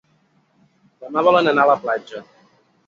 Demà volen anar a la platja.